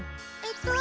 えっと